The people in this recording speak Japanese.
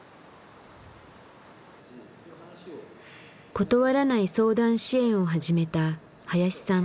「断らない相談支援」を始めた林さん。